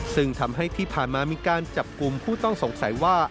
ซึ่งทำให้ที่ผ่านมามีการจับกลุ่มผู้ต้องสงสัยว่า